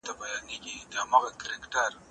زه به سبا پوښتنه کوم!؟